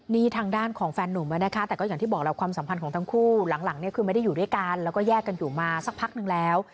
นี่ทางด้านของแฟนหนุ่มนะคะแต่ก็อย่างที่บอกแล้วความสัมพันธ์ของทั้งคู่หลังเนี่ยคือไม่ได้อยู่ด้วยกันแล้วก็แยกกันอยู่มาสักพักนึงแล้ว